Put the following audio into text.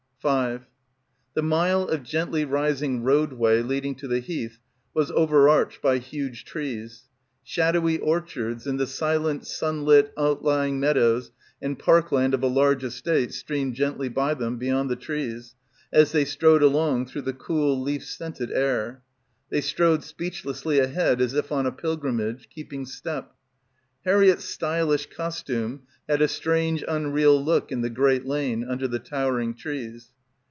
5 The mile of gently rising roadway leading to the Heath was overarched by huge trees. Shad owy orchards, and the silent sunlit outlying mead ows and park land of a large estate streamed gently by them beyond the trees as they strode along through the cool leaf scented air. They strode speechlessly ahead as if on a pilgrimage, keeping step. Harriett's stylish costume had a strange unreal look in the great lane, under the towering trees.